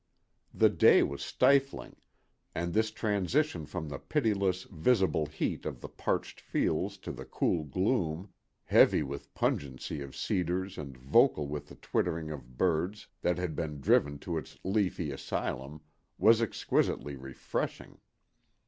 The day was stifling; and this transition from the pitiless, visible heat of the parched fields to the cool gloom, heavy with pungency of cedars and vocal with twittering of the birds that had been driven to its leafy asylum, was exquisitely refreshing.